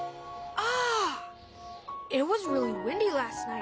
あ。